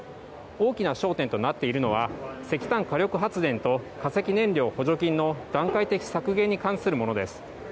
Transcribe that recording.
大きな焦点となっているのは石炭火力発電と化石燃料補助金の段階的削減に関するものです。